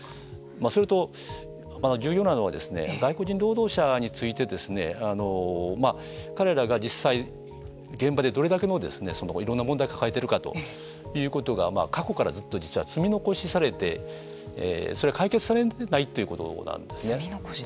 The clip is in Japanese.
それと、重要なのは外国人労働者について彼らが実際現場でどれだけのいろんな問題を抱えているかということが過去から、ずっと実は積み残しされてそれが解決されてないということなんですね。